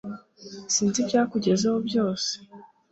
sinzi ibyakugezeho byose